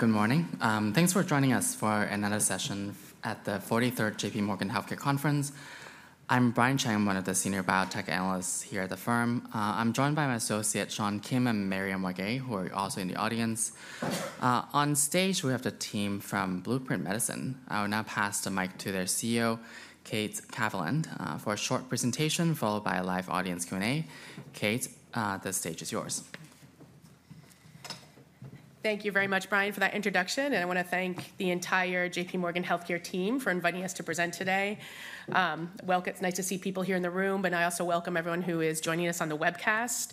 Good morning. Thanks for joining us for another session at the 43rd JPMorgan Healthcare Conference. I'm Brian Cheng, one of the Senior Biotech Analysts here at the firm. I'm joined by my associate, Seong Kim, and Marianne Wangari, who are also in the audience. On stage, we have the team from Blueprint Medicines. I will now pass the mic to their CEO, Kate Haviland, for a short presentation followed by a live audience Q&A. Kate, the stage is yours. Thank you very much, Brian, for that introduction, and I want to thank the entire JPMorgan Healthcare team for inviting us to present today. It's nice to see people here in the room, and I also welcome everyone who is joining us on the webcast.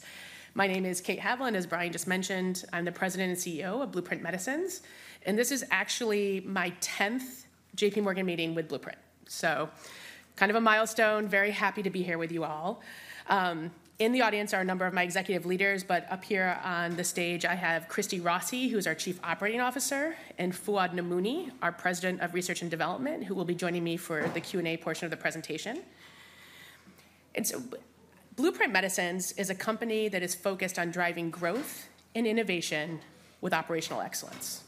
My name is Kate Haviland, as Brian just mentioned. I'm the President and CEO of Blueprint Medicines, and this is actually my 10th JPMorgan meeting with Blueprint, so kind of a milestone. Very happy to be here with you all. In the audience are a number of my executive leaders, but up here on the stage, I have Christy Rossi, who is our Chief Operating Officer, and Fouad Namouni, our President of Research and Development, who will be joining me for the Q&A portion of the presentation, and so Blueprint Medicines is a company that is focused on driving growth and innovation with operational excellence.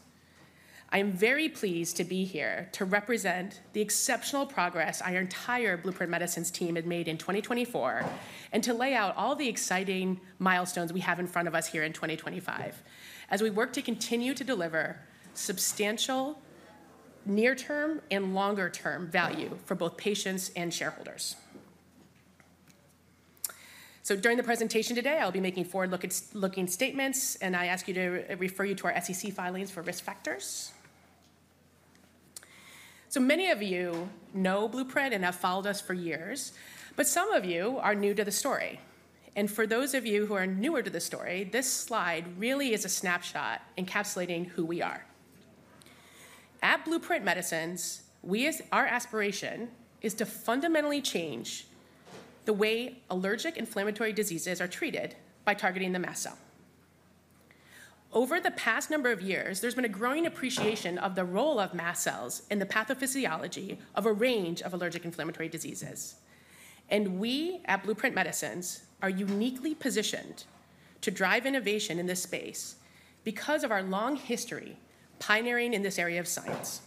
I am very pleased to be here to represent the exceptional progress our entire Blueprint Medicines team has made in 2024 and to lay out all the exciting milestones we have in front of us here in 2025 as we work to continue to deliver substantial near-term and longer-term value for both patients and shareholders. So during the presentation today, I'll be making forward-looking statements. And I ask you to refer to our SEC filings for risk factors. So many of you know Blueprint and have followed us for years. But some of you are new to the story. And for those of you who are newer to the story, this slide really is a snapshot encapsulating who we are. At Blueprint Medicines, our aspiration is to fundamentally change the way allergic inflammatory diseases are treated by targeting the mast cell. Over the past number of years, there's been a growing appreciation of the role of mast cells in the pathophysiology of a range of allergic inflammatory diseases. And we at Blueprint Medicines are uniquely positioned to drive innovation in this space because of our long history pioneering in this area of science.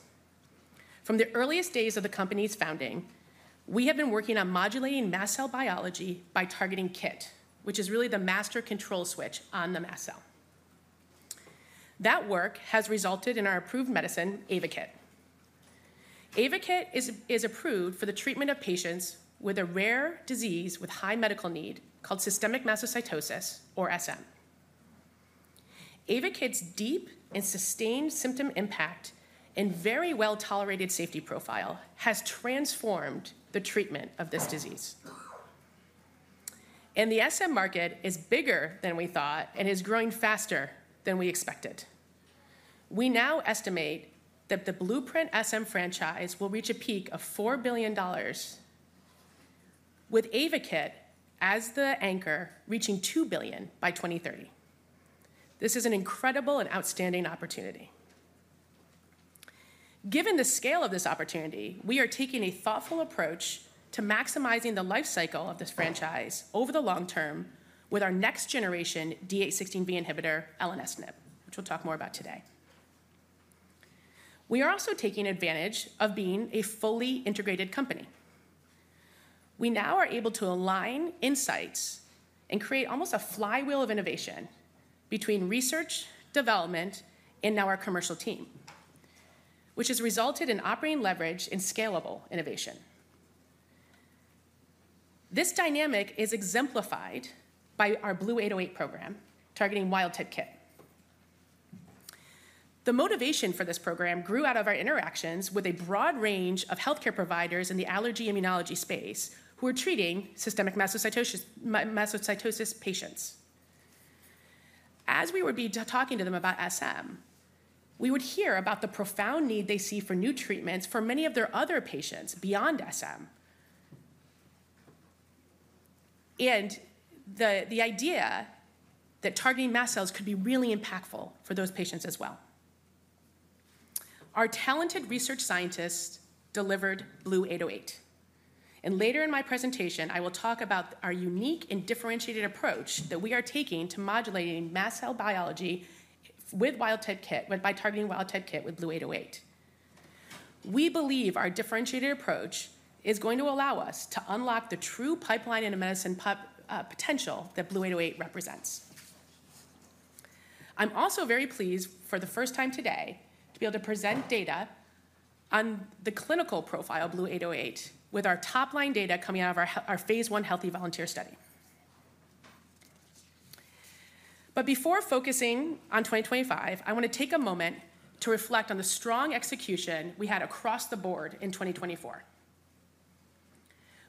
From the earliest days of the company's founding, we have been working on modulating mast cell biology by targeting KIT, which is really the master control switch on the mast cell. That work has resulted in our approved medicine, AYVAKIT. AYVAKIT is approved for the treatment of patients with a rare disease with high medical need called Systemic Mastocytosis, or SM. AYVAKIT's deep and sustained symptom impact and very well-tolerated safety profile has transformed the treatment of this disease. And the SM market is bigger than we thought and is growing faster than we expected. We now estimate that the Blueprint SM franchise will reach a peak of $4 billion, with AYVAKIT as the anchor reaching $2 billion by 2030. This is an incredible and outstanding opportunity. Given the scale of this opportunity, we are taking a thoughtful approach to maximizing the life cycle of this franchise over the long-term with our next generation D816V inhibitor, elenestinib, which we'll talk more about today. We are also taking advantage of being a fully integrated company. We now are able to align insights and create almost a flywheel of innovation between research, development, and now our commercial team, which has resulted in operating leverage and scalable innovation. This dynamic is exemplified by our BLU-808 program targeting wild-type KIT. The motivation for this program grew out of our interactions with a broad range of healthcare providers in the Allergy Immunology space who are treating Systemic Mastocytosis patients. As we would be talking to them about SM, we would hear about the profound need they see for new treatments for many of their other patients beyond SM and the idea that targeting mast cells could be really impactful for those patients as well. Our talented research scientists delivered BLU-808 and later in my presentation, I will talk about our unique and differentiated approach that we are taking to modulating mast cell biology with wild-type KIT by targeting wild-type KIT with BLU-808. We believe our differentiated approach is going to allow us to unlock the true pipeline and medicine potential that BLU-808 represents. I'm also very pleased, for the first time today, to be able to present data on the clinical profile of BLU-808 with our top-line data coming out of our phase I healthy volunteer study. But before focusing on 2025, I want to take a moment to reflect on the strong execution we had across the board in 2024.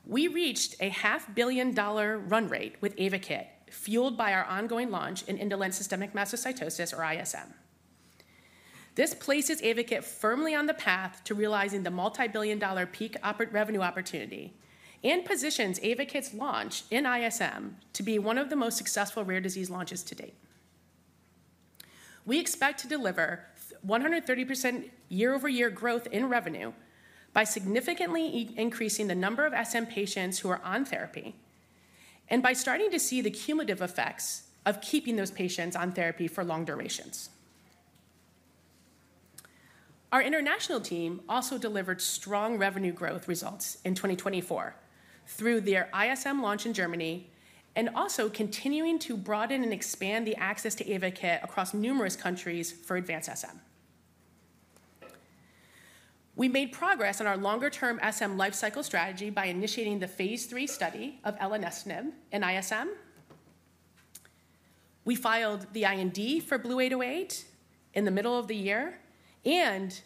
We reached a $500 million run rate with AYVAKIT, fueled by our ongoing launch in Indolent Systemic Mastocytosis, or ISM. This places AYVAKIT firmly on the path to realizing the multi-billion-dollar peak revenue opportunity and positions AYVAKIT's launch in ISM to be one of the most successful rare disease launches to date. We expect to deliver 130% year-over-year growth in revenue by significantly increasing the number of SM patients who are on therapy and by starting to see the cumulative effects of keeping those patients on therapy for long durations. Our international team also delivered strong revenue growth results in 2024 through their ISM launch in Germany and also continuing to broaden and expand the access to AYVAKIT across numerous countries for advanced SM. We made progress on our longer-term SM life cycle strategy by initiating the phase III study of elenestinib in ISM. We filed the IND for BLU-808 in the middle of the year and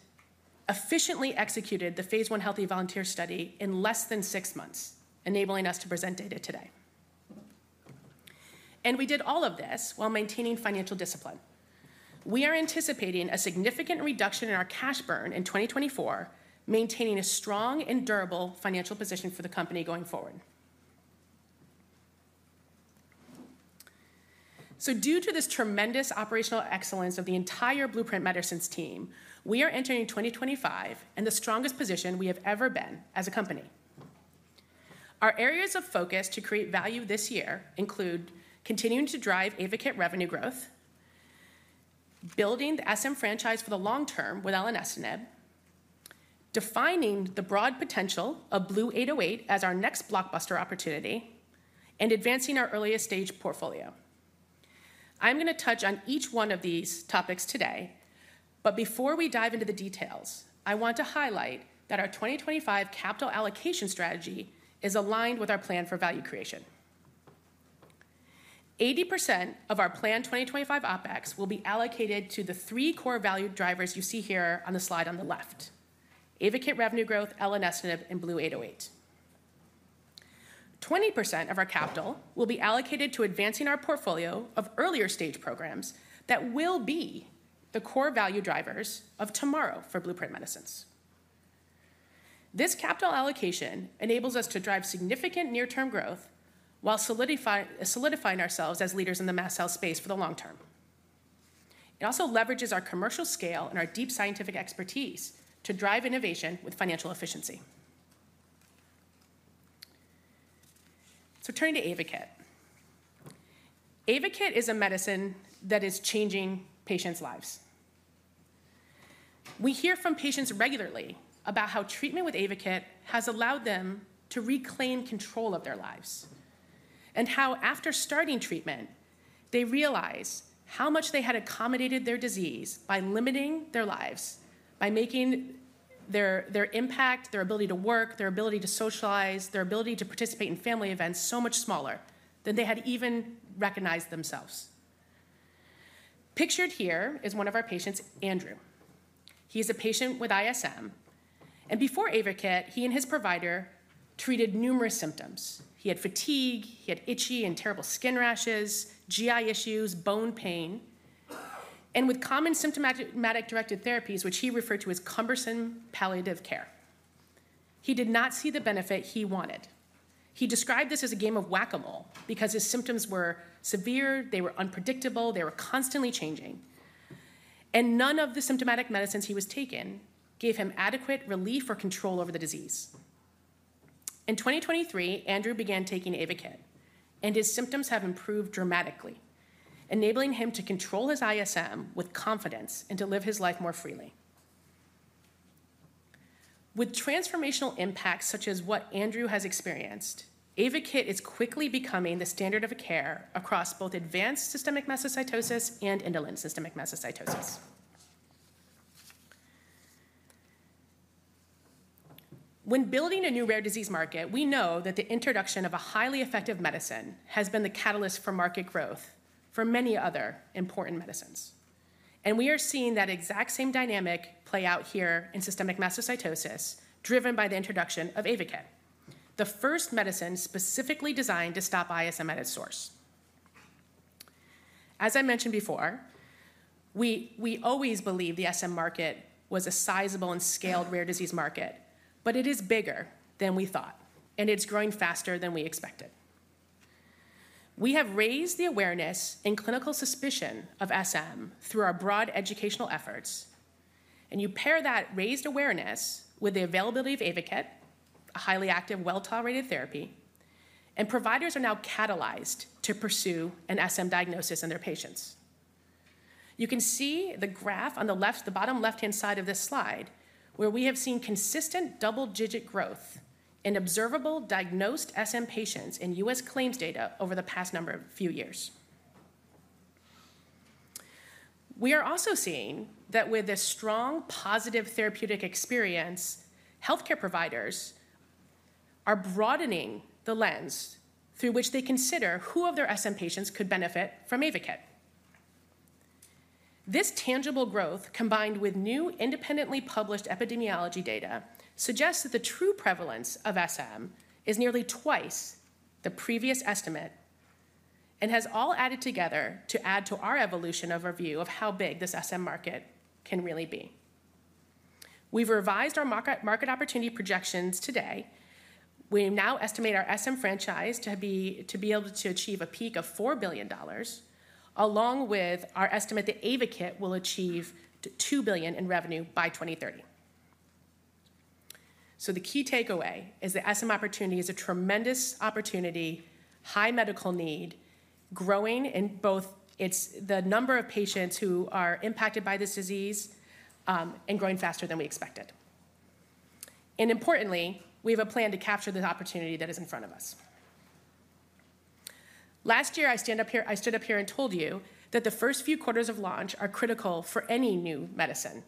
efficiently executed the phase I healthy volunteer study in less than six months, enabling us to present data today. And we did all of this while maintaining financial discipline. We are anticipating a significant reduction in our cash burn in 2024, maintaining a strong and durable financial position for the company going forward. So due to this tremendous operational excellence of the entire Blueprint Medicines team, we are entering 2025 in the strongest position we have ever been as a company. Our areas of focus to create value this year include continuing to drive AYVAKIT revenue growth, building the SM franchise for the long-term with elenestinib, defining the broad potential of BLU-808 as our next blockbuster opportunity, and advancing our earliest stage portfolio. I'm going to touch on each one of these topics today. But before we dive into the details, I want to highlight that our 2025 capital allocation strategy is aligned with our plan for value creation. 80% of our planned 2025 OpEx will be allocated to the three core value drivers you see here on the slide on the left: AYVAKIT revenue growth, elenestinib, and BLU-808. 20% of our capital will be allocated to advancing our portfolio of earlier stage programs that will be the core value drivers of tomorrow for Blueprint Medicines. This capital allocation enables us to drive significant near-term growth while solidifying ourselves as leaders in the mast cell space for the long-term. It also leverages our commercial scale and our deep scientific expertise to drive innovation with financial efficiency. So turning to AYVAKIT. AYVAKIT is a medicine that is changing patients' lives. We hear from patients regularly about how treatment with AYVAKIT has allowed them to reclaim control of their lives and how after starting treatment, they realize how much they had accommodated their disease by limiting their lives, by making their impact, their ability to work, their ability to socialize, their ability to participate in family events so much smaller than they had even recognized themselves. Pictured here is one of our patients, Andrew. He is a patient with ISM. And before AYVAKIT, he and his provider treated numerous symptoms. He had fatigue. He had itchy and terrible skin rashes, GI issues, bone pain, and with common symptomatic directed therapies, which he referred to as cumbersome palliative care. He did not see the benefit he wanted. He described this as a game of whack-a-mole because his symptoms were severe. They were unpredictable. They were constantly changing, and none of the symptomatic medicines he was taking gave him adequate relief or control over the disease. In 2023, Andrew began taking AYVAKIT, and his symptoms have improved dramatically, enabling him to control his ISM with confidence and to live his life more freely. With transformational impacts such as what Andrew has experienced, AYVAKIT is quickly becoming the standard of care across both Advanced Systemic Mastocytosis and Indolent Systemic Mastocytosis. When building a new rare disease market, we know that the introduction of a highly effective medicine has been the catalyst for market growth for many other important medicines, and we are seeing that exact same dynamic play out here in Systemic Mastocytosis, driven by the introduction of AYVAKIT, the first medicine specifically designed to stop ISM at its source. As I mentioned before, we always believe the SM market was a sizable and scaled rare disease market, but it is bigger than we thought, and it's growing faster than we expected. We have raised the awareness and clinical suspicion of SM through our broad educational efforts, and you pair that raised awareness with the availability of AYVAKIT, a highly active, well-tolerated therapy, and providers are now catalyzed to pursue an SM diagnosis in their patients. You can see the graph on the bottom left-hand side of this slide, where we have seen consistent double-digit growth in observable diagnosed SM patients in U.S. claims data over the past few years. We are also seeing that with a strong positive therapeutic experience, healthcare providers are broadening the lens through which they consider who of their SM patients could benefit from AYVAKIT. This tangible growth, combined with new independently published epidemiology data, suggests that the true prevalence of SM is nearly twice the previous estimate and has all added together to add to our evolution of our view of how big this SM market can really be. We've revised our market opportunity projections today. We now estimate our SM franchise to be able to achieve a peak of $4 billion, along with our estimate that AYVAKIT will achieve $2 billion in revenue by 2030. The key takeaway is that SM opportunity is a tremendous opportunity, high medical need, growing in both the number of patients who are impacted by this disease and growing faster than we expected. Importantly, we have a plan to capture the opportunity that is in front of us. Last year, I stood up here and told you that the first few quarters of launch are critical for any new medicine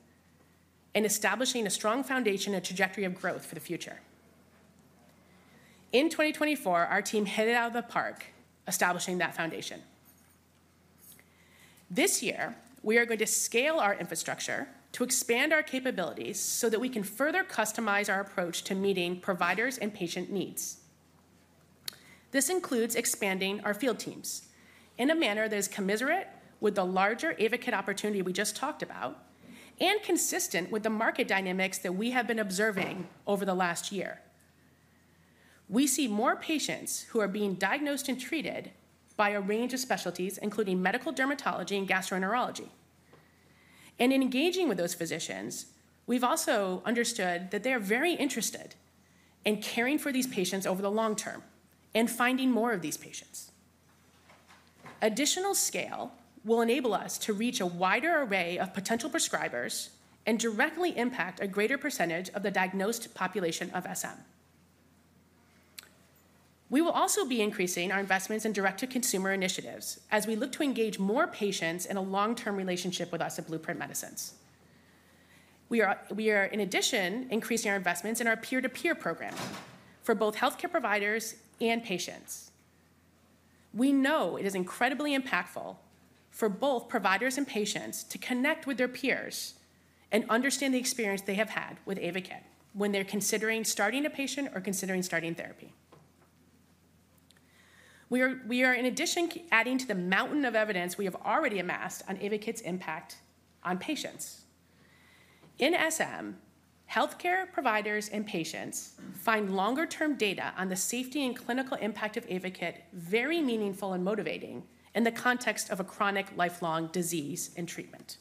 in establishing a strong foundation and trajectory of growth for the future. In 2024, our team hit it out of the park establishing that foundation. This year, we are going to scale our infrastructure to expand our capabilities so that we can further customize our approach to meeting providers' and patient needs. This includes expanding our field teams in a manner that is commensurate with the larger AYVAKIT opportunity we just talked about and consistent with the market dynamics that we have been observing over the last year. We see more patients who are being diagnosed and treated by a range of specialties, including medical dermatology and gastroenterology, and in engaging with those physicians, we've also understood that they are very interested in caring for these patients over the long-term and finding more of these patients. Additional scale will enable us to reach a wider array of potential prescribers and directly impact a greater percentage of the diagnosed population of SM. We will also be increasing our investments in direct-to-consumer initiatives as we look to engage more patients in a long-term relationship with us at Blueprint Medicines. We are, in addition, increasing our investments in our peer-to-peer program for both healthcare providers and patients. We know it is incredibly impactful for both providers and patients to connect with their peers and understand the experience they have had with AYVAKIT when they're considering starting a patient or considering starting therapy. We are, in addition, adding to the mountain of evidence we have already amassed on AYVAKIT's impact on patients. In SM, healthcare providers and patients find longer-term data on the safety and clinical impact of AYVAKIT very meaningful and motivating in the context of a chronic lifelong disease and treatment.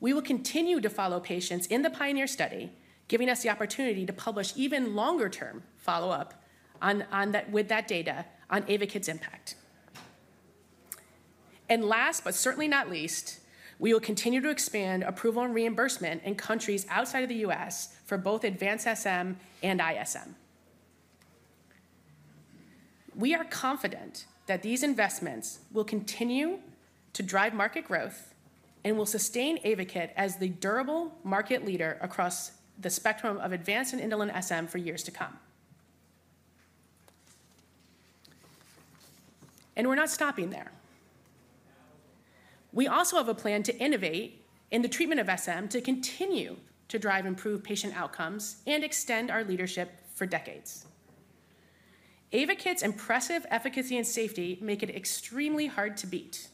We will continue to follow patients in the PIONEER study, giving us the opportunity to publish even longer-term follow-up with that data on AYVAKIT's impact. And last, but certainly not least, we will continue to expand approval and reimbursement in countries outside of the U.S. for both advanced SM and ISM. We are confident that these investments will continue to drive market growth and will sustain AYVAKIT as the durable market leader across the spectrum of advanced and indolent SM for years to come. And we're not stopping there. We also have a plan to innovate in the treatment of SM to continue to drive improved patient outcomes and extend our leadership for decades. AYVAKIT's impressive efficacy and safety make it extremely hard to beat.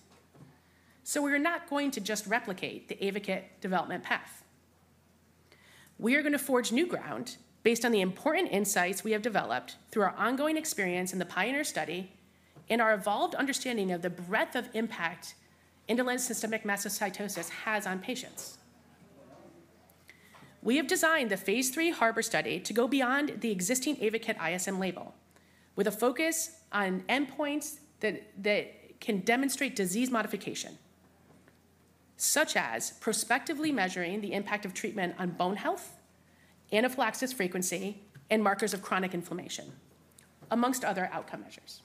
So we're not going to just replicate the AYVAKIT development path. We are going to forge new ground based on the important insights we have developed through our ongoing experience in the PIONEER study and our evolved understanding of the breadth of impact indolent Systemic Mastocytosis has on patients. We have designed the phase three HARBOR study to go beyond the existing AYVAKIT ISM label with a focus on endpoints that can demonstrate disease modification, such as prospectively measuring the impact of treatment on bone health, anaphylaxis frequency, and markers of chronic inflammation, among other outcome measures.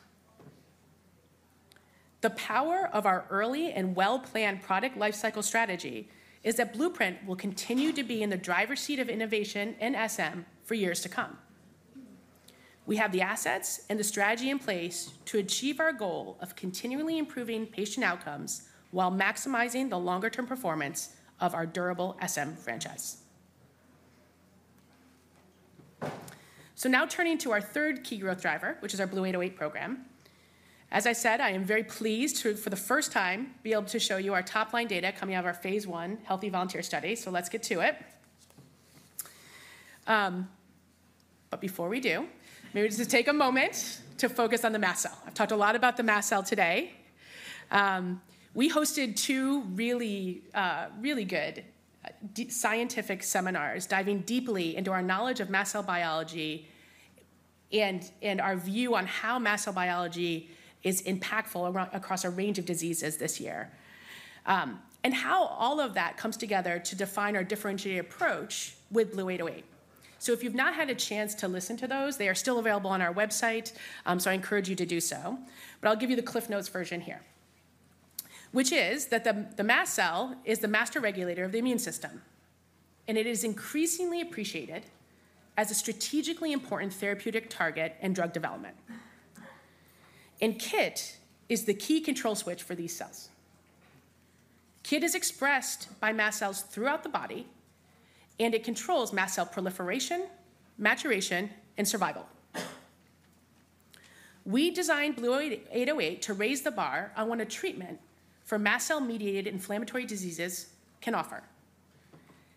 The power of our early and well-planned product lifecycle strategy is that Blueprint will continue to be in the driver's seat of innovation in SM for years to come. We have the assets and the strategy in place to achieve our goal of continually improving patient outcomes while maximizing the longer-term performance of our durable SM franchise. So now turning to our third key growth driver, which is our BLU-808 program. As I said, I am very pleased to, for the first time, be able to show you our top-line data coming out of our phase I Healthy Volunteer study. So let's get to it. But before we do, maybe just take a moment to focus on the mast cell. I've talked a lot about the mast cell today. We hosted two really, really good scientific seminars diving deeply into our knowledge of mast cell biology and our view on how mast cell biology is impactful across a range of diseases this year and how all of that comes together to define our differentiated approach with BLU-808. So if you've not had a chance to listen to those, they are still available on our website. So I encourage you to do so. But I'll give you the CliffsNote version here, which is that the mast cell is the master regulator of the immune system. And it is increasingly appreciated as a strategically important therapeutic target in drug development. And KIT is the key control switch for these cells. KIT is expressed by mast cells throughout the body, and it controls mast cell proliferation, maturation, and survival. We designed BLU-808 to raise the bar on what a treatment for mast cell-mediated inflammatory diseases can offer,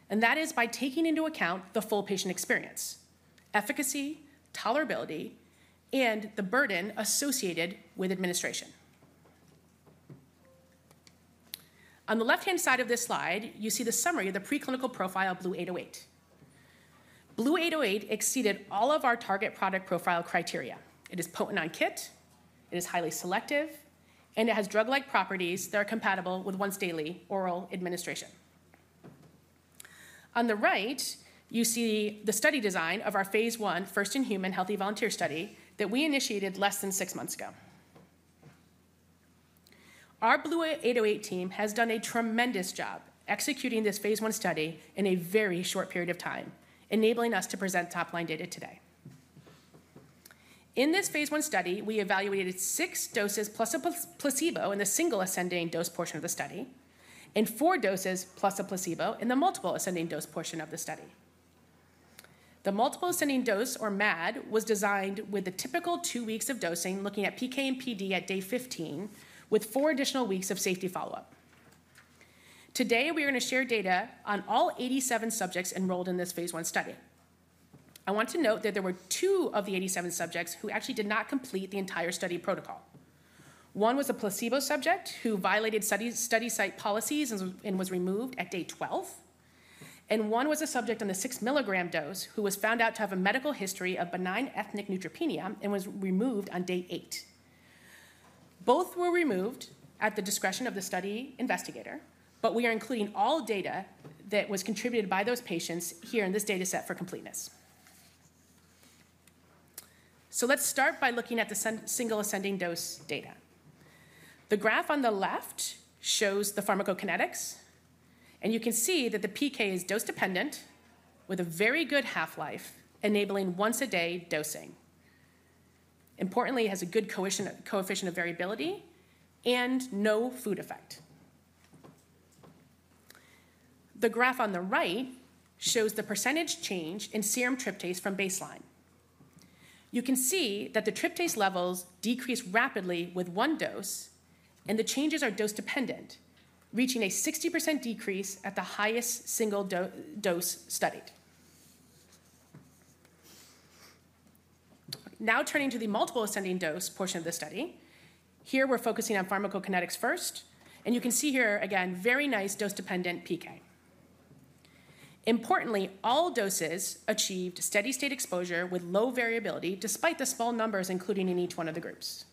and that is by taking into account the full patient experience, efficacy, tolerability, and the burden associated with administration. On the left-hand side of this slide, you see the summary of the preclinical profile of BLU-808. BLU-808 exceeded all of our target product profile criteria. It is potent on KIT. It is highly selective, and it has drug-like properties that are compatible with once-daily oral administration. On the right, you see the study design of our phase I First-In-Human Healthy Volunteer study that we initiated less than six months ago. Our BLU-808 team has done a tremendous job executing this phase I study in a very short period of time, enabling us to present top-line data today. In this phase I study, we evaluated six doses plus a placebo in the single ascending dose portion of the study and four doses plus a placebo in the multiple ascending dose portion of the study. The multiple ascending dose, or MAD, was designed with the typical two weeks of dosing, looking at PK and PD at day 15, with four additional weeks of safety follow-up. Today, we are going to share data on all 87 subjects enrolled in this phase I study. I want to note that there were two of the 87 subjects who actually did not complete the entire study protocol. One was a placebo subject who violated study site policies and was removed at day 12. One was a subject on the 6 mg dose who was found out to have a medical history of benign ethnic neutropenia and was removed on day eight. Both were removed at the discretion of the study investigator, but we are including all data that was contributed by those patients here in this dataset for completeness. Let's start by looking at the single ascending dose data. The graph on the left shows the pharmacokinetics. You can see that the PK is dose-dependent with a very good half-life, enabling once-a-day dosing. Importantly, it has a good coefficient of variability and no food effect. The graph on the right shows the percentage change in serum tryptase from baseline. You can see that the tryptase levels decreased rapidly with one dose, and the changes are dose-dependent, reaching a 60% decrease at the highest single dose studied. Now turning to the multiple ascending dose portion of the study. Here, we're focusing on pharmacokinetics first, and you can see here, again, very nice dose-dependent PK. Importantly, all doses achieved steady-state exposure with low variability despite the small numbers included in each one of the groups.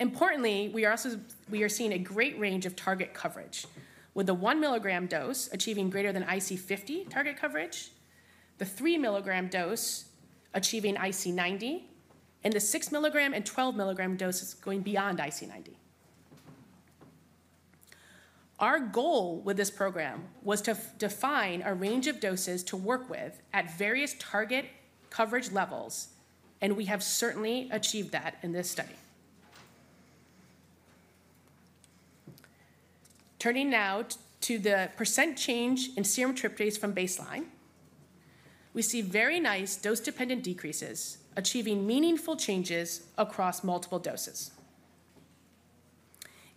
Importantly, we are seeing a great range of target coverage, with the 1 mg dose achieving greater than IC50 target coverage, the 3 mg dose achieving IC90, and the 6 mg and 12 mg doses going beyond IC90. Our goal with this program was to define a range of doses to work with at various target coverage levels, and we have certainly achieved that in this study. Turning now to the percent change in serum tryptase from baseline, we see very nice dose-dependent decreases achieving meaningful changes across multiple doses.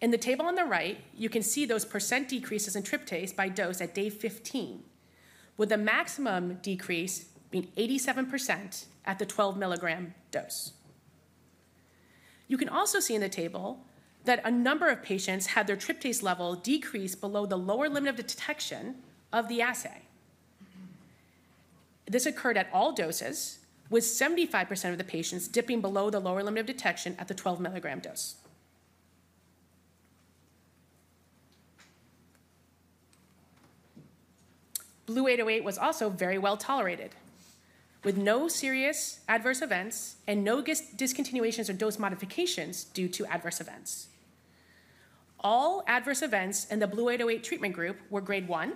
In the table on the right, you can see those percent decreases in tryptase by dose at day 15, with the maximum decrease being 87% at the 12 mg dose. You can also see in the table that a number of patients had their tryptase level decrease below the lower limit of detection of the assay. This occurred at all doses, with 75% of the patients dipping below the lower limit of detection at the 12 mg dose. BLU-808 was also very well tolerated, with no serious adverse events and no discontinuations or dose modifications due to adverse events. All adverse events in the BLU-808 treatment group were grade 1.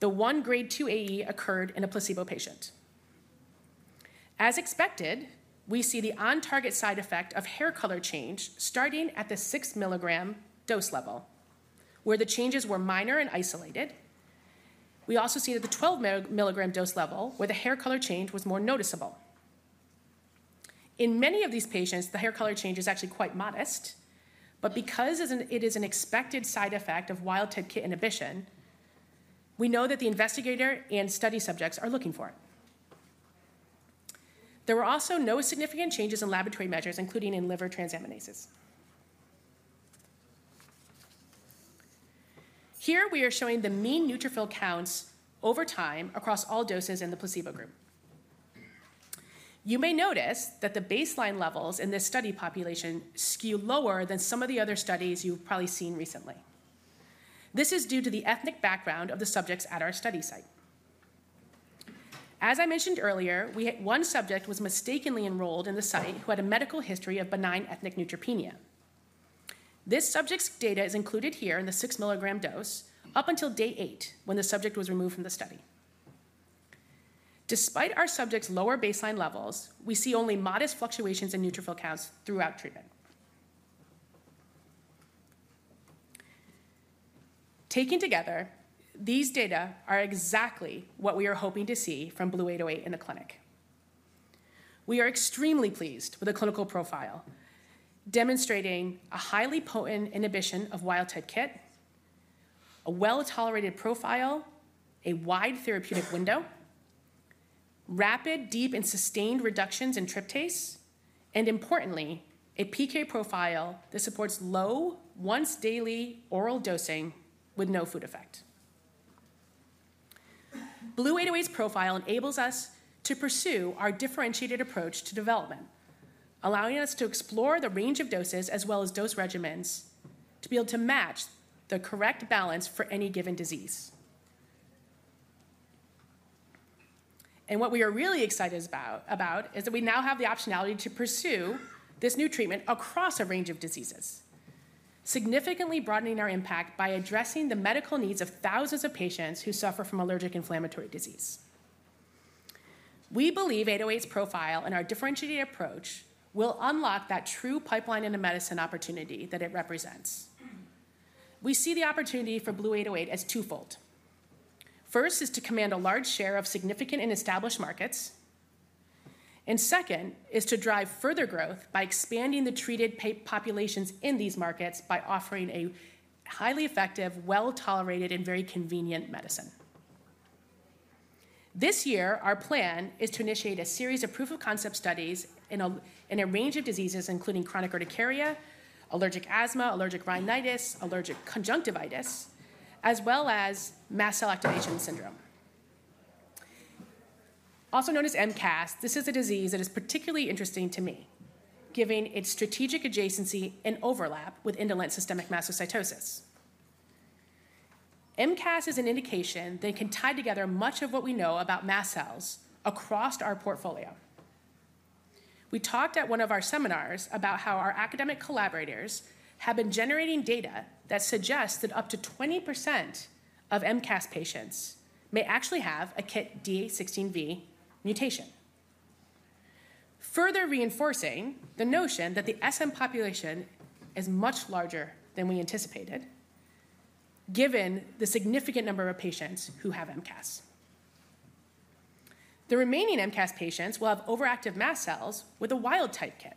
The one grade 2 AE occurred in a placebo patient. As expected, we see the on-target side effect of hair color change starting at the 6 mg dose level, where the changes were minor and isolated. We also see that the 12 mg dose level, where the hair color change was more noticeable. In many of these patients, the hair color change is actually quite modest. But because it is an expected side effect of wild-type KIT inhibition, we know that the investigator and study subjects are looking for it. There were also no significant changes in laboratory measures, including in liver transaminases. Here, we are showing the mean neutrophil counts over time across all doses in the placebo group. You may notice that the baseline levels in this study population skew lower than some of the other studies you've probably seen recently. This is due to the ethnic background of the subjects at our study site. As I mentioned earlier, one subject was mistakenly enrolled in the site who had a medical history of benign ethnic neutropenia. This subject's data is included here in the six milligram dose up until day eight, when the subject was removed from the study. Despite our subject's lower baseline levels, we see only modest fluctuations in neutrophil counts throughout treatment. Taken together, these data are exactly what we are hoping to see from BLU-808 in the clinic. We are extremely pleased with the clinical profile demonstrating a highly potent inhibition of wild-type KIT, a well-tolerated profile, a wide therapeutic window, rapid, deep, and sustained reductions in tryptase, and importantly, a PK profile that supports low once-daily oral dosing with no food effect. BLU-808's profile enables us to pursue our differentiated approach to development, allowing us to explore the range of doses as well as dose regimens to be able to match the correct balance for any given disease. What we are really excited about is that we now have the optionality to pursue this new treatment across a range of diseases, significantly broadening our impact by addressing the medical needs of thousands of patients who suffer from allergic inflammatory disease. We believe BLU-808's profile and our differentiated approach will unlock that true pipeline in the medicine opportunity that it represents. We see the opportunity for BLU-808 as twofold. First is to command a large share of significant and established markets. And second is to drive further growth by expanding the treated populations in these markets by offering a highly effective, well-tolerated, and very convenient medicine. This year, our plan is to initiate a series of proof-of-concept studies in a range of diseases, including chronic urticaria, allergic asthma, allergic rhinitis, allergic conjunctivitis, as well as mast cell activation syndrome. Also known as MCAS, this is a disease that is particularly interesting to me, given its strategic adjacency and overlap with Indolent Systemic Mastocytosis. MCAS is an indication that can tie together much of what we know about mast cells across our portfolio. We talked at one of our seminars about how our academic collaborators have been generating data that suggests that up to 20% of MCAS patients may actually have a KIT D816V mutation, further reinforcing the notion that the SM population is much larger than we anticipated, given the significant number of patients who have MCAS. The remaining MCAS patients will have overactive mast cells with a wild-type KIT.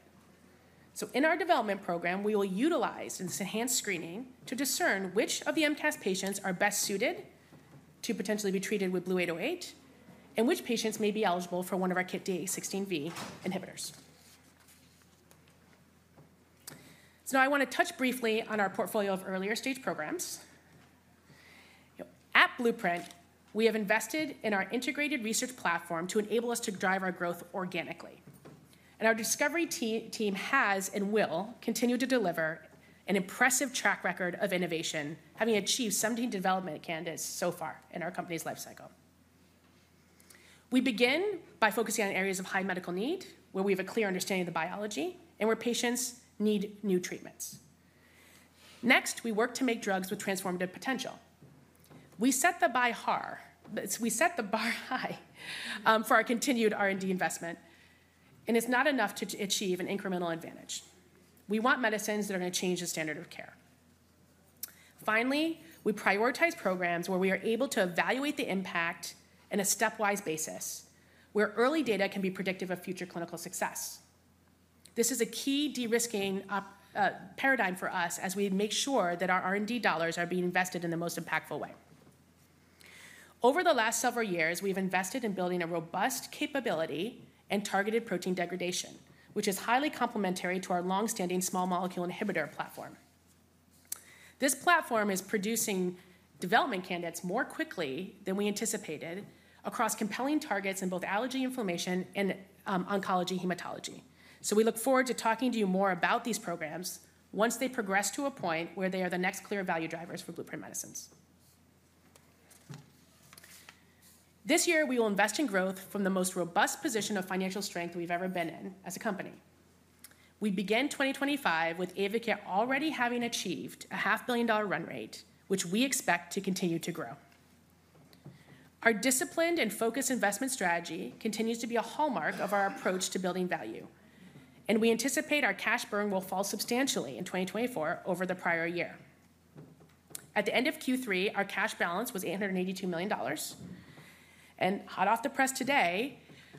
So in our development program, we will utilize this enhanced screening to discern which of the MCAS patients are best suited to potentially be treated with BLU-808 and which patients may be eligible for one of our KIT D816V inhibitors. So now I want to touch briefly on our Portfolio of Earlier Stage Programs. At Blueprint, we have invested in our Integrated Research Platform to enable us to drive our growth organically. And our discovery team has and will continue to deliver an impressive track record of innovation, having achieved 17 development candidates so far in our company's lifecycle. We begin by focusing on areas of high medical need where we have a clear understanding of the biology and where patients need new treatments. Next, we work to make drugs with transformative potential. We set the bar high for our continued R&D investment. It's not enough to achieve an incremental advantage. We want medicines that are going to change the standard of care. Finally, we prioritize programs where we are able to evaluate the impact on a stepwise basis, where early data can be predictive of future clinical success. This is a key de-risking paradigm for us as we make sure that our R&D dollars are being invested in the most impactful way. Over the last several years, we have invested in building a robust capability and targeted protein degradation, which is highly complementary to our long-standing small molecule inhibitor platform. This platform is producing development candidates more quickly than we anticipated across compelling targets in both Immunology and Inflammation and Oncology Hematology. We look forward to talking to you more about these programs once they progress to a point where they are the next clear value drivers for Blueprint Medicines. This year, we will invest in growth from the most robust position of financial strength we've ever been in as a company. We began 2025 with AYVAKIT already having achieved a $500 million run rate, which we expect to continue to grow. Our disciplined and focused investment strategy continues to be a hallmark of our approach to building value. We anticipate our cash burn will fall substantially in 2024 over the prior year. At the end of Q3, our cash balance was $882 million. Hot off the press today,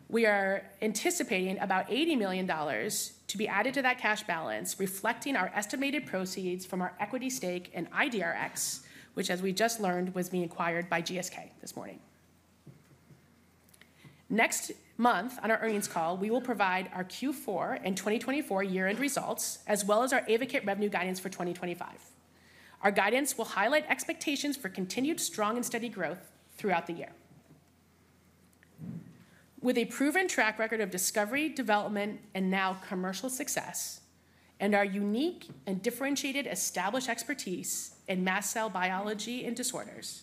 we are anticipating about $80 million to be added to that cash balance, reflecting our estimated proceeds from our equity stake in IDRx, which, as we just learned, was being acquired by GSK this morning. Next month, on our earnings call, we will provide our Q4 and 2024 year-end results, as well as our AYVAKIT revenue guidance for 2025. Our guidance will highlight expectations for continued strong and steady growth throughout the year. With a proven track record of discovery, development, and now commercial success, and our unique and differentiated established expertise in mast cell biology and disorders,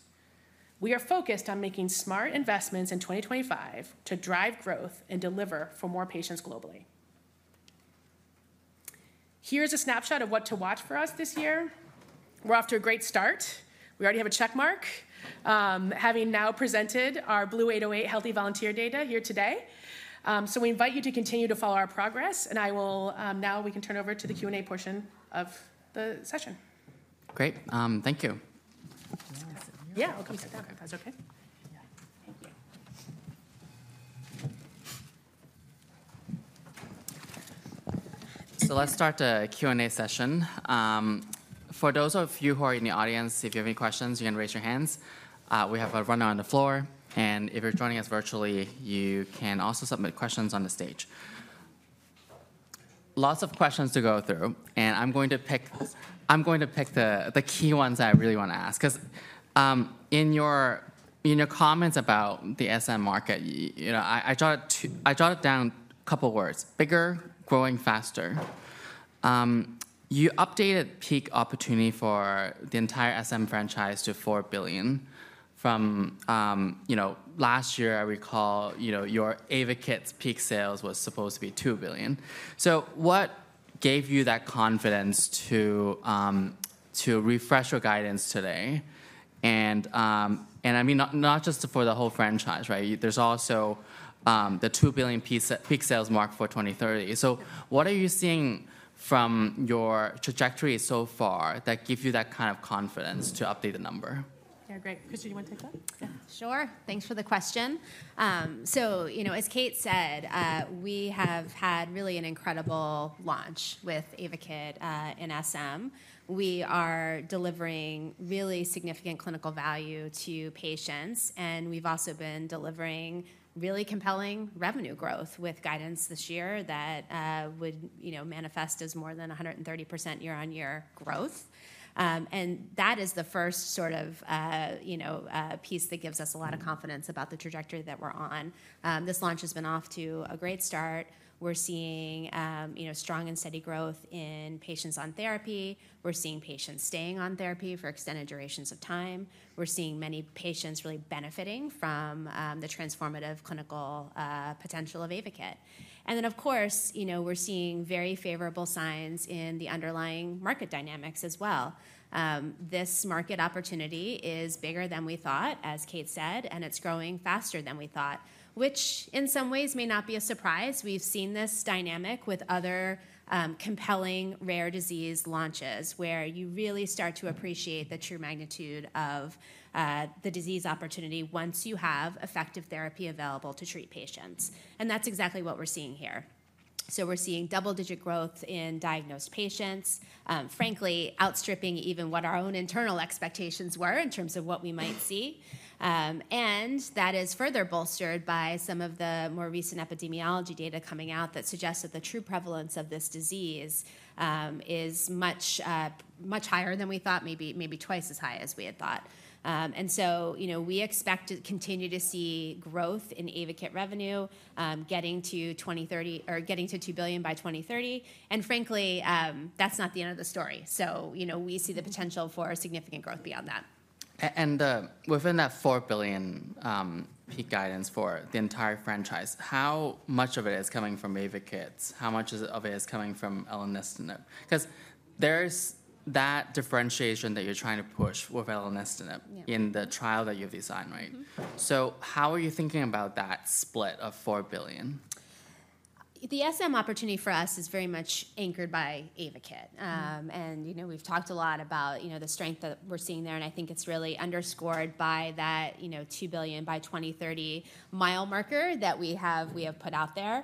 we are focused on making smart investments in 2025 to drive growth and deliver for more patients globally. Here is a snapshot of what to watch for us this year. We're off to a great start. We already have a check mark, having now presented our BLU-808 healthy volunteer data here today. So we invite you to continue to follow our progress. And now we can turn over to the Q&A portion of the session. Great. Thank you. Yeah, we'll come to that. That's OK. So let's start the Q&A session. For those of you who are in the audience, if you have any questions, you can raise your hands. We have a runner on the floor. And if you're joining us virtually, you can also submit questions on the stage. Lots of questions to go through. And I'm going to pick the key ones that I really want to ask. Because in your comments about the SM market, I jotted down a couple of words: bigger, growing faster. You updated peak opportunity for the entire SM franchise to $4 billion. From last year, I recall your AYVAKIT's peak sales was supposed to be $2 billion. So what gave you that confidence to refresh your guidance today? And I mean, not just for the whole franchise, right? There's also the $2 billion peak sales mark for 2030. What are you seeing from your trajectory so far that gives you that kind of confidence to update the number? Yeah, great. Christina, you want to take that? Sure. Thanks for the question. So as Kate said, we have had really an incredible launch with AYVAKIT in SM. We are delivering really significant clinical value to patients. And we've also been delivering really compelling revenue growth with guidance this year that would manifest as more than 130% year-on-year growth. And that is the first sort of piece that gives us a lot of confidence about the trajectory that we're on. This launch has been off to a great start. We're seeing strong and steady growth in patients on therapy. We're seeing patients staying on therapy for extended durations of time. We're seeing many patients really benefiting from the transformative clinical potential of AYVAKIT. And then, of course, we're seeing very favorable signs in the underlying market dynamics as well. This market opportunity is bigger than we thought, as Kate said, and it's growing faster than we thought, which in some ways may not be a surprise. We've seen this dynamic with other compelling rare disease launches, where you really start to appreciate the true magnitude of the disease opportunity once you have effective therapy available to treat patients, and that's exactly what we're seeing here, so we're seeing double-digit growth in diagnosed patients, frankly, outstripping even what our own internal expectations were in terms of what we might see, and that is further bolstered by some of the more recent epidemiology data coming out that suggests that the true prevalence of this disease is much higher than we thought, maybe twice as high as we had thought, and so we expect to continue to see growth in AYVAKIT revenue getting to $2 billion by 2030. And frankly, that's not the end of the story. So we see the potential for significant growth beyond that. And within that $4 billion peak guidance for the entire franchise, how much of it is coming from AYVAKIT? How much of it is coming from elenestinib? Because there's that differentiation that you're trying to push with elenestinib in the trial that you've designed, right? So how are you thinking about that split of $4 billion? The SM opportunity for us is very much anchored by AYVAKIT. And we've talked a lot about the strength that we're seeing there. And I think it's really underscored by that $2 billion by 2030 mile marker that we have put out there.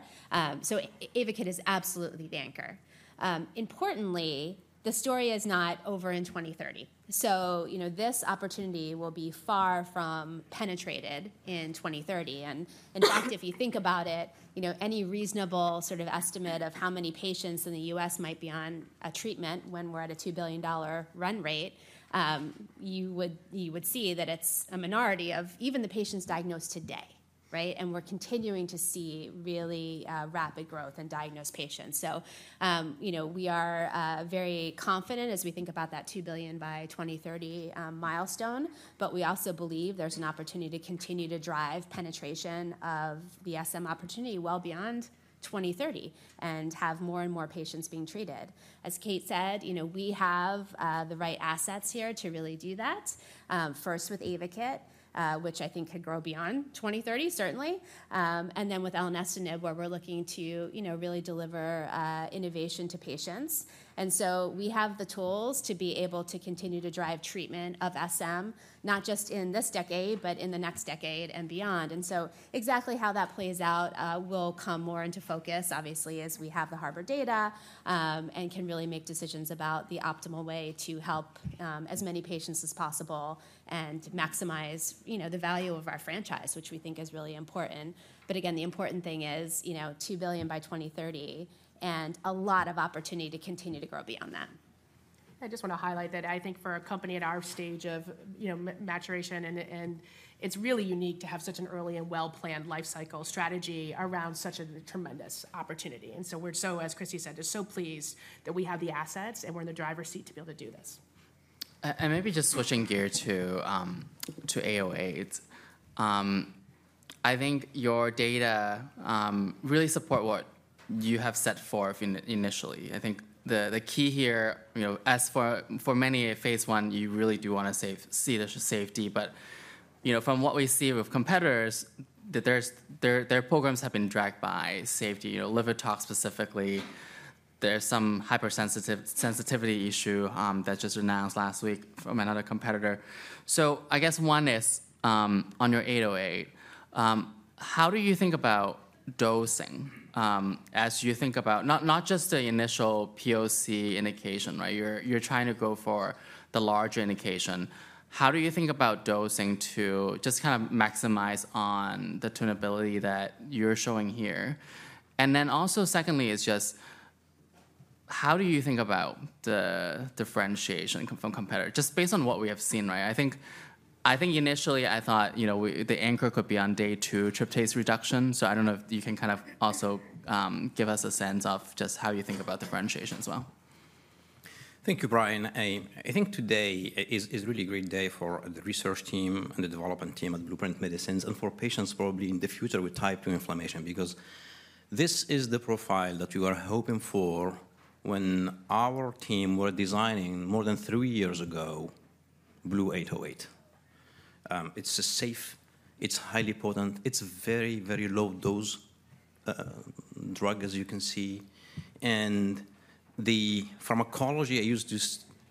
So AYVAKIT is absolutely the anchor. Importantly, the story is not over in 2030. So this opportunity will be far from penetrated in 2030. And in fact, if you think about it, any reasonable sort of estimate of how many patients in the U.S. might be on a treatment when we're at a $2 billion run rate, you would see that it's a minority of even the patients diagnosed today, right? And we're continuing to see really rapid growth in diagnosed patients. So we are very confident as we think about that $2 billion by 2030 milestone. But we also believe there's an opportunity to continue to drive penetration of the SM opportunity well beyond 2030 and have more and more patients being treated. As Kate said, we have the right assets here to really do that, first with AYVAKIT, which I think could grow beyond 2030, certainly, and then with elenestinib, where we're looking to really deliver innovation to patients. And so we have the tools to be able to continue to drive treatment of SM, not just in this decade, but in the next decade and beyond. And so exactly how that plays out will come more into focus, obviously, as we have the HARBOR data and can really make decisions about the optimal way to help as many patients as possible and maximize the value of our franchise, which we think is really important. But again, the important thing is $2 billion by 2030 and a lot of opportunity to continue to grow beyond that. I just want to highlight that I think for a company at our stage of maturation, it's really unique to have such an early and well-planned life cycle strategy around such a tremendous opportunity. And so we're, so as Christy said, just so pleased that we have the assets and we're in the driver's seat to be able to do this. And maybe just switching gear to 808s. I think your data really support what you have set forth initially. I think the key here, as for many, at phase I, you really do want to see the safety. But from what we see with competitors, their programs have been dragged by safety. Liver tox specifically, there's some hypersensitivity issue that just announced last week from another competitor. So I guess one is on your 808. How do you think about dosing as you think about not just the initial POC indication, right? You're trying to go for the larger indication. How do you think about dosing to just kind of maximize on the tunability that you're showing here? And then also secondly is just how do you think about the differentiation from competitors? Just based on what we have seen, right? I think initially I thought the anchor could be on day two, tryptase reduction. So I don't know if you can kind of also give us a sense of just how you think about differentiation as well. Thank you, Brian. I think today is really a great day for the research team and the development team at Blueprint Medicines and for patients probably in the future with type 2 inflammation. Because this is the profile that we were hoping for when our team were designing more than three years ago BLU-808. It's a safe, it's highly potent, it's a very, very low-dose drug, as you can see. And the pharmacology I used to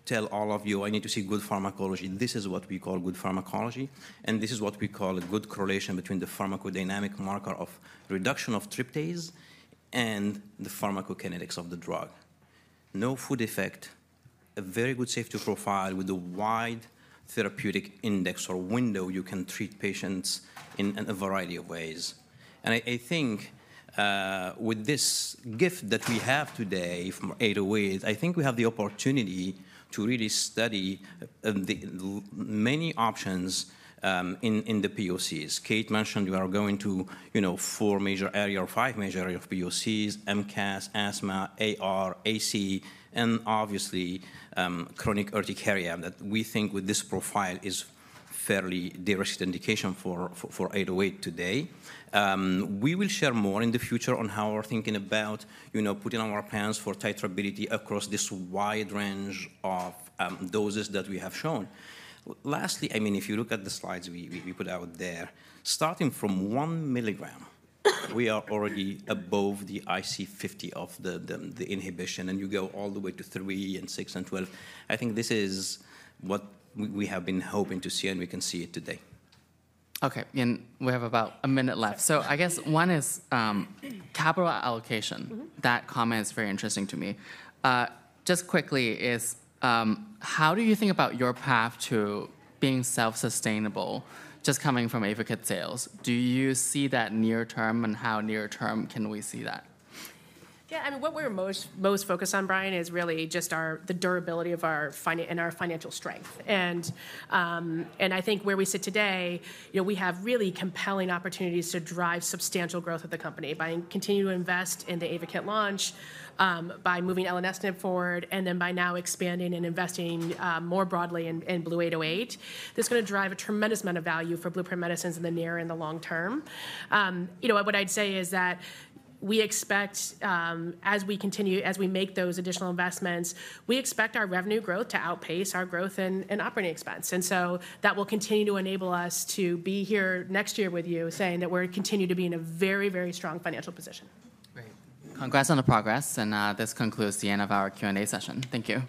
tell all of you, I need to see good pharmacology. This is what we call good pharmacology. And this is what we call a good correlation between the pharmacodynamic marker of reduction of tryptase and the pharmacokinetics of the drug. No food effect, a very good safety profile with a wide therapeutic index or window. You can treat patients in a variety of ways. And I think with this gift that we have today from 808, I think we have the opportunity to really study many options in the POCs. Kate mentioned we are going to four major areas or five major areas of POCs: MCAS, asthma, AR, AC, and obviously chronic urticaria that we think with this profile is fairly direct indication for 808 today. We will share more in the future on how we're thinking about putting on our pants for titrability across this wide range of doses that we have shown. Lastly, I mean, if you look at the slides we put out there, starting from 1 mg, we are already above the IC50 of the inhibition. And you go all the way to 3 mg and 6 mg and 12. I think this is what we have been hoping to see, and we can see it today. OK. And we have about a minute left. So I guess one is capital allocation. That comment is very interesting to me. Just quickly, how do you think about your path to being self-sustainable just coming from AYVAKIT sales? Do you see that near term? And how near term can we see that? Yeah. I mean, what we're most focused on, Brian, is really just the durability of our and our financial strength, and I think where we sit today, we have really compelling opportunities to drive substantial growth of the company by continuing to invest in the AYVAKIT launch, by moving elenestinib forward, and then by now expanding and investing more broadly in BLU-808. This is going to drive a tremendous amount of value for Blueprint Medicines in the near and the long-term. What I'd say is that we expect, as we make those additional investments, we expect our revenue growth to outpace our growth in operating expense, and so that will continue to enable us to be here next year with you, saying that we're continuing to be in a very, very strong financial position. Great. Congrats on the progress, and this concludes the end of our Q&A session. Thank you.